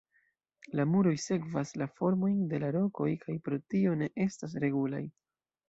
La muroj sekvas la formojn de la rokoj kaj pro tio ne estas regulaj.